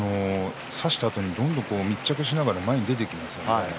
差したあとに密着しながらどんどん前に出てきますよね。